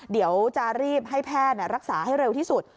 เดี๋ยวจะรีบให้แพทย์รักษาให้เร็วที่สุด